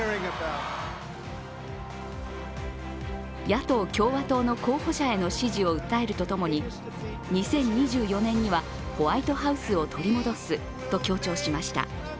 野党・共和党の候補者への支持を訴えるとともに２０２４年にはホワイトハウスを取り戻すと強調しました。